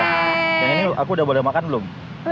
yang ini aku udah boleh makan belum